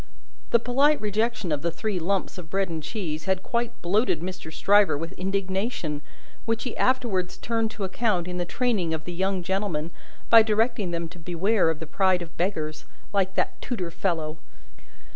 The polite rejection of the three lumps of bread and cheese had quite bloated Mr. Stryver with indignation, which he afterwards turned to account in the training of the young gentlemen, by directing them to beware of the pride of Beggars, like that tutor fellow.